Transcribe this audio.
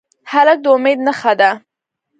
هلک د امید نښه ده.